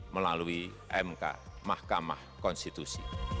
melalui mk mahkamah konstitusional